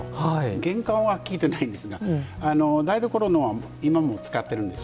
玄関は聞いてないんですが台所のは今も使っているんです。